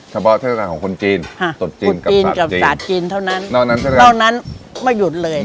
เฉพาะเทศกาลของคนจีนตกจีนกับสัตว์จีนเท่านั้นไม่หยุดเลย